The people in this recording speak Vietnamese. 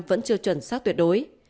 vẫn chưa chuẩn xác tuyệt đối